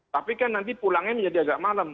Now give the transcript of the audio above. tapi kan nanti pulangnya menjadi agak malem